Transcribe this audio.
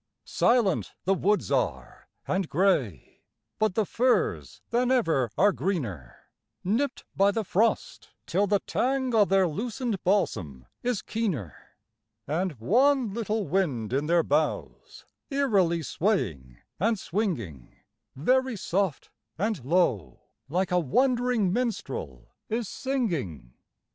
76 Silent the woods are and gray; but the firs than ever are greener, Nipped by the frost till the tang of their loosened balsam is keener; And one little wind in their boughs, eerily swaying and swinging, Very soft and low, like a wandering minstrel is sing ing.